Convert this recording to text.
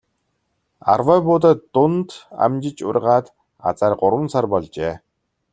Арвай буудай дунд амжиж ургаад азаар гурван сар болжээ.